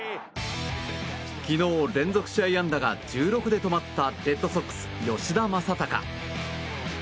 昨日、連続試合安打が１６で止まったレッドソックス、吉田正尚。